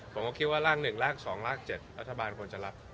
ผมก็คิดว่าราก๑ราก๒ราก๗รัฐบาลควรจะรับ